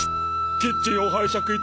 キッチンを拝借いたします。